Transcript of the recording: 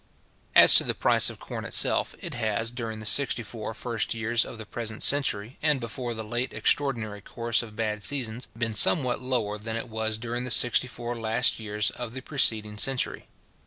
As to the price of corn itself, it has, during the sixty four first years of the present century, and before the late extraordinary course of bad seasons, been somewhat lower than it was during the sixty four last years of the preceding century.